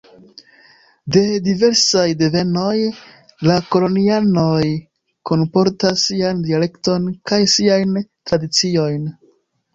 De diversaj devenoj, la kolonianoj kunportas sian dialekton kaj siajn tradiciojn.